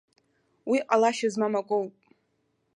Уи ҟалашьа змам акоуп.